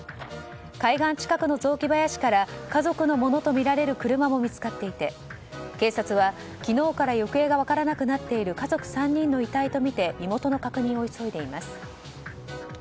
海岸近くの雑木林から家族のものとみられる車も見つかっていて警察は昨日から行方が分からなくなっている家族３人の遺体とみて身元の確認を急いでいます。